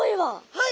はい。